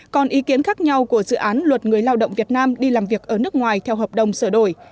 còn ý kiến khác nhau của dự án luật người lao động việt nam đi làm việc ở nước ngoài theo hợp đồng sửa đổi